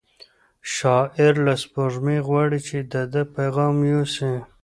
شاعر له سپوږمۍ غواړي چې د ده پیغام یوسي.